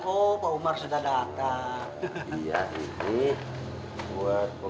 oh pak umar sudah datang